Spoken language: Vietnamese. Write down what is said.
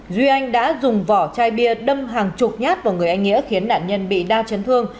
duy anh đã dùng vỏ chai bia đâm hàng chục nhát vào người anh nghĩa khiến nạn nhân bị đa chấn thương